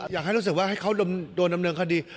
อยากให้รู้สึกว่าให้เขาโดนดำเนินคดี